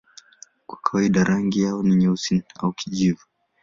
Kwa kawaida rangi yao ni nyeusi au kijivu.